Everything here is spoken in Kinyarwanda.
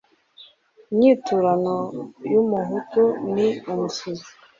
inyiturano y'umuhutu ni umusuzi